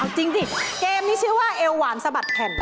จริงดิเกมนี้ชื่อว่าเอวหวานสะบัดแผ่น